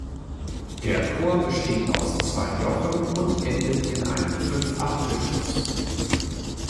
Der Chor besteht aus zwei Jochen und endet in einem Fünfachtelschluss.